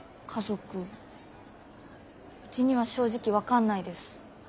家族うちには正直分かんないです。